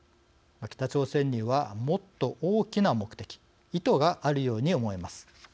北朝鮮にはもっと大きな目的意図があるように思えます。